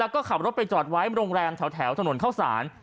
ก็ขับรถไปจอดไว้โรงแรมแถวถนนเข้าสาร